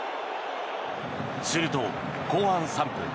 すると、後半３分。